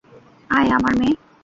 আয়, আমার মেয়ে।